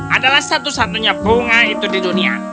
adalah satu satunya bunga itu di dunia